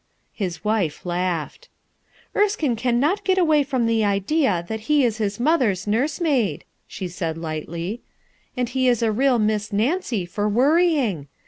li^ wif laughed, "Erskine cannot get away from the idea that he is his mother's nursemaid," she said lightly. "And he is a real 'Miss Nancy* for worrying.